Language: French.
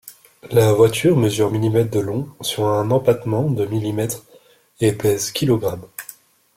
La voiture mesure mm de long sur un empattement de mm et pèse kg.